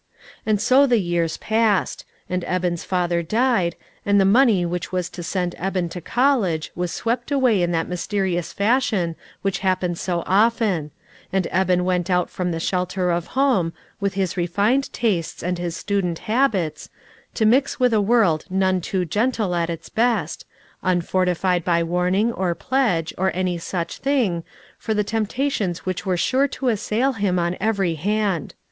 And so the years passed; and Eben's father died, and the money which was to A VICTIM OF CIRCUMSTANCE. 143 send Eben to college was swept away in that mysterious fashion which happens so often, and Eben went out from the shelter of home, with his refined tastes and his student habits, to mix with a world none too gentle at its best, unfortified by warn ing, or pledge, or any such thing, for the temptations which were sure to assail him on every hand.